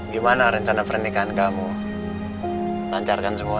gimana rencana pernikahan kamu lancar kan semua